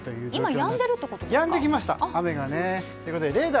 今、やんでるってことですか？